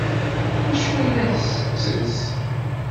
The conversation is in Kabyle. D acu ay la tettess?